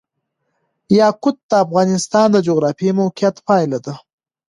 یاقوت د افغانستان د جغرافیایي موقیعت پایله ده.